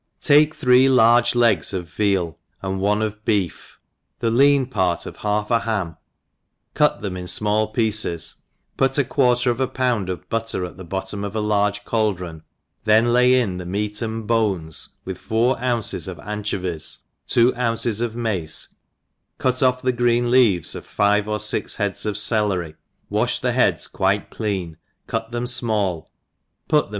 TAKE three large legs of veal, and one of beef, the lean part of half a ham, cut them in fmall pieces, put a quarter of a pound of but* ter at the bottom of a large cauldron, then lay in the meat and bones, with four ounces tjf anccovics, two ounces of mace, ciit off the green leaves of five or fix heads of celery, wafli the heads quite clean, cut them fmall, put them